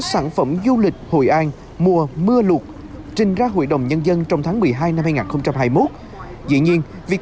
sản phẩm du lịch hội an mùa mưa luộc trình ra hội đồng nhân dân trong tháng một mươi hai năm hai nghìn hai mươi một dĩ nhiên việc